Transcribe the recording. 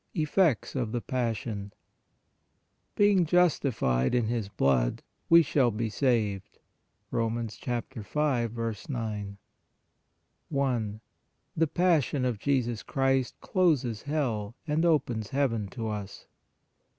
EFFECTS OF THE PASSION "Being justified in His blood, we shall be saved" (Rom. 5 9). i. THE PASSION OF JESUS CHRIST CLOSES HELL AND OPENS HEAVEN TO us.